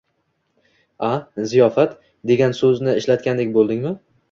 – A? Ziyofat degan so‘zni ishlatgandek bo‘ldingmi?